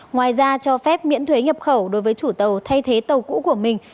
ngoài ra cho phép miễn thuế nhập khẩu đối với chủ tàu thay thế tàu cũ của mình